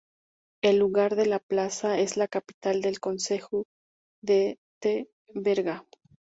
El lugar de La Plaza es la capital del concejo de Teverga.